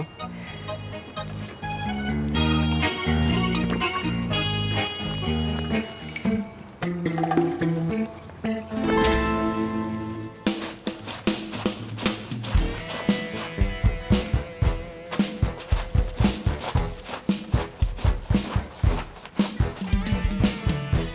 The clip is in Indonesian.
kalau merenep pakaian jangan lama lama